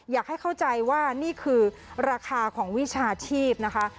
อยากให้เข้าใจว่านี่คือราคาของวิชาชีพนะคะ